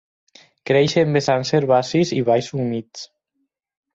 Creix en vessants herbacis i valls humides.